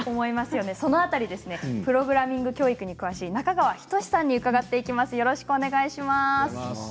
その辺りプログラミング教育に詳しい中川一史さんに伺っていきます。